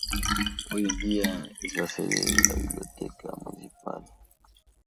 Hoy en día es la sede de la Biblioteca Municipal.